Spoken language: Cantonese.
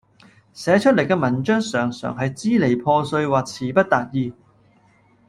寫出嚟嘅文章常常係支離破碎或辭不達意